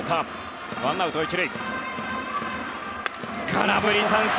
空振り三振！